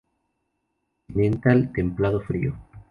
Continental templado-frío.